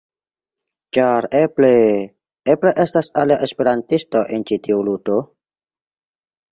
Ĉar eble... eble estas alia esperantisto en ĉi tiu ludo.